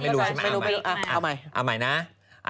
ไม่รู้ใช่ไหมเอาใหม่นะเอาใหม่